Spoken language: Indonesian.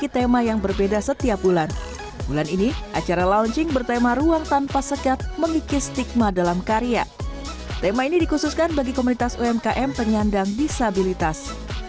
tema ini dikhususkan bagi komunitas umkm penyandang disabilitas